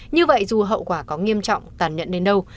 như vậy dù hậu quả có nghiêm trọng tàn nhận đến đâu